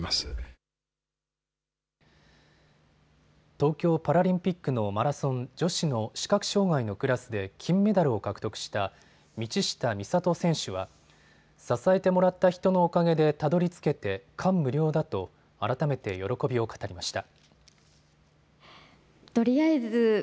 東京パラリンピックのマラソン女子の視覚障害のクラスで金メダルを獲得した道下美里選手は支えてもらった人のおかげでたどりつけて感無量だと改めて喜びを語りました。